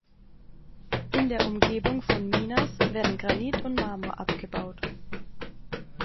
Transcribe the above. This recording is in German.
In der Umgebung von Minas werden Granit und Marmor abgebaut.